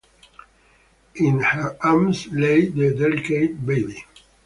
In her arms lay the delicate baby.